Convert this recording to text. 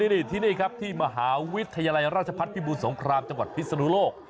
นี่ที่นี่ครับที่มหาวิทยาลัยราชพัฒนภิบูรสงครามจังหวัดพิศนุโลก